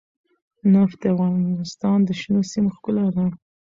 نفت د افغانستان د شنو سیمو ښکلا ده.